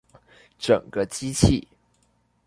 整個機器